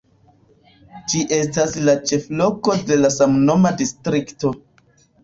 Ĝi estas la ĉefloko de la samnoma distrikto.